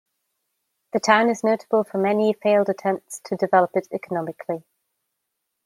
The town is notable for many failed attempts to develop it economically.